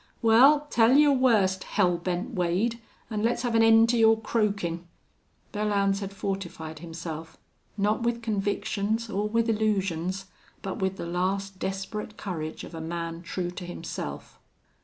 Wal, tell your worst, Hell Bent Wade, an' let's have an end to your croakin'." Belllounds had fortified himself, not with convictions or with illusions, but with the last desperate courage of a man true to himself.